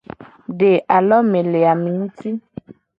De alome le ame nguti.